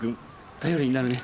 頼りになるね。